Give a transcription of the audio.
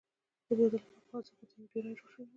د بوتلونو او کاغذي قوتیو یو ډېران جوړ شوی.